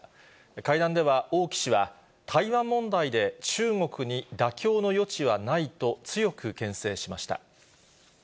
会談では、王毅氏は、台湾問題で中国に妥協の余地はないと、強くけん制しました。